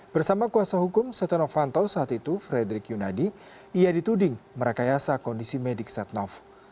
bersama kuasa hukum setenovanto saat itu frederick yunadi ia dituding merekayasa kondisi medik setenov